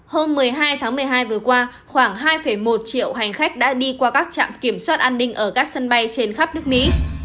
hôm một mươi hai tháng một mươi hai vừa qua khoảng hai một triệu hành khách đã đi qua các trạm kiểm soát an ninh ở các sân bay trên khắp nước mỹ